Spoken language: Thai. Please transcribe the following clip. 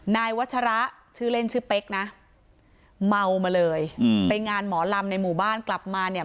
นายวัชระชื่อเล่นชื่อเป๊กนะเมามาเลยอืมไปงานหมอลำในหมู่บ้านกลับมาเนี่ย